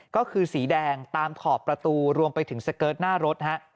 ก็คือสีแดงตามขอบประตูรวมไปถึงสเกิร์ตหน้ารถฮะ